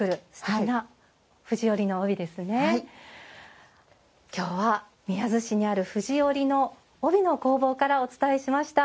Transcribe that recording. きょうは、宮津市にある藤織りの帯の工房からお伝えしました。